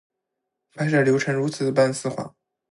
拍摄流程如丝般顺滑